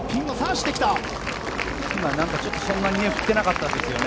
今、そんなには振っていなかったですよね。